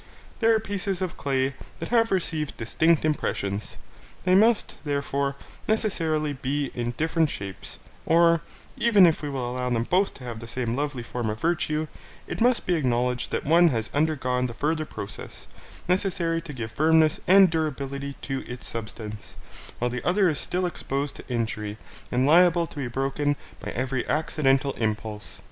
They are pieces of clay that have received distinct impressions: they must, therefore, necessarily be in different shapes; or, even if we allow them both to have the same lovely form of virtue, it must be acknowledged that one has undergone the further process, necessary to give firmness and durability to its substance, while the other is still exposed to injury, and liable to be broken by every accidental impulse.